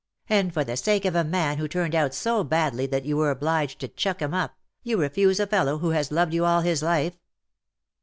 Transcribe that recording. '^ And for the sake of a man who turned out so badly that you were obliged to chuck him up, you refuse a fellow who has loved you all his life.''